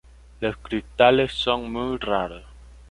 Los cristales son muy raros.